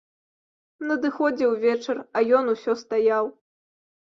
Надыходзіў вечар, а ён усё стаяў.